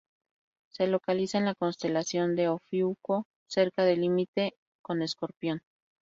Se localiza en la constelación de Ofiuco cerca del límite con Escorpión.